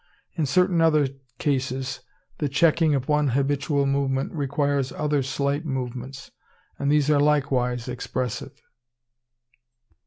In certain other cases the checking of one habitual movement requires other slight movements; and these are likewise expressive.